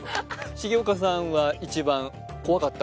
重岡さんは一番怖かった